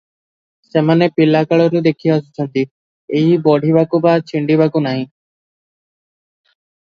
ସେମାନେ ପିଲାକାଳରୁ ଦେଖିଆସୁଛନ୍ତି, ଏହା ବଢ଼ିବାକୁ ବା ଛିଣ୍ତିବାକୁ ନାହିଁ ।